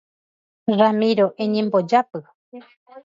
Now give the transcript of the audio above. Ramíro eñembojápy